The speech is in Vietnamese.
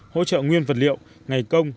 hỗ trợ nguyên vật liệu ngày công